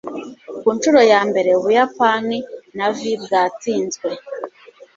ku nshuro ya mbere, ubuyapani navy bwatsinzwe